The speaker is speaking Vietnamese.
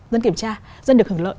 dân kiểm tra dân được hưởng lợi